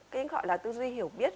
cái gọi là tư duy hiểu biết